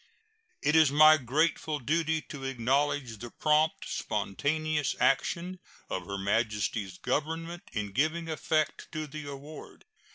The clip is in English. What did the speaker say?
It is my grateful duty to acknowledge the prompt, spontaneous action of Her Majesty's Government in giving effect to the award.